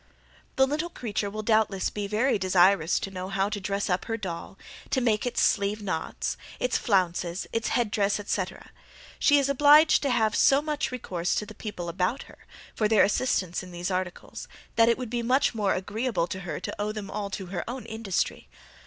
The little creature will doubtless be very desirous to know how to dress up her doll, to make its sleeve knots, its flounces, its head dress, etc., she is obliged to have so much recourse to the people about her, for their assistance in these articles, that it would be much more agreeable to her to owe them all to her own industry.